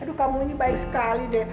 aduh kamu ini baik sekali den